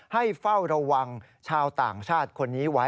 เฝ้าระวังชาวต่างชาติคนนี้ไว้